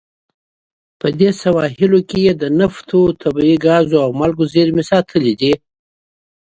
د دې سواحلو کې د نفتو، طبیعي ګازو او مالګو زیرمې ساتلې دي.